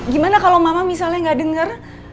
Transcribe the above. gimana kalau mama misalnya gak denger